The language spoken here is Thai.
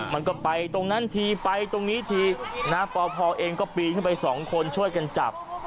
มันก็ไปตรงนั้นทีไปตรงนี้ทีนะปพเองก็ปีนขึ้นไปสองคนช่วยกันจับ